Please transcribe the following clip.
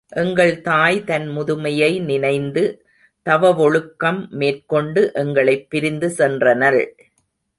எங்கள் தாய் தன் முதுமையை நினைந்து தவவொழுக்கம் மேற்கொண்டு எங்களைப் பிரிந்து சென்றனள்.